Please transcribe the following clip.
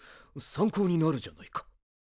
参考になるじゃないか。